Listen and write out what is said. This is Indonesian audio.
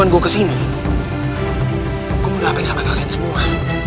kalo gue kesini gue mudah apain sama kalian semua